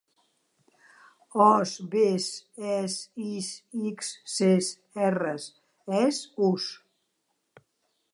Os, bes, es, is, ics, ces, erres, es, us.